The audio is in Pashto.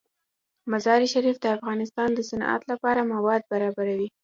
مزارشریف د افغانستان د صنعت لپاره مواد برابروي.